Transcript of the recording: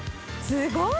すごい。